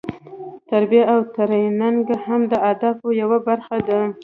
تربیه او ټریننګ هم د اهدافو یوه برخه ده.